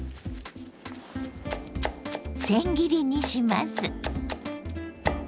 せん切りにします。